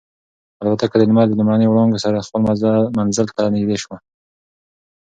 الوتکه د لمر د لومړنیو وړانګو سره خپل منزل ته نږدې شوه.